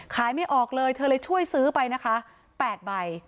ไม่ออกเลยเธอเลยช่วยซื้อไปนะคะ๘ใบ